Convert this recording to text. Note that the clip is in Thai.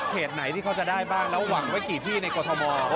ไหนที่เขาจะได้บ้างแล้วหวังไว้กี่ที่ในกรทม